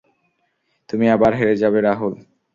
তুমি আবার হেরে যাবে রাহুল।